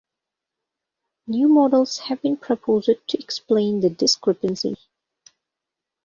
New models have been proposed to explain the discrepancy.